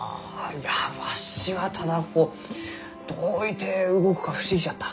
いやわしはただどういて動くか不思議じゃった。